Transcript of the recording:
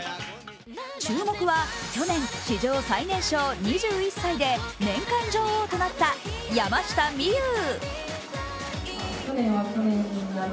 注目は去年、史上最年少２１歳で年間女王となった山下美夢有。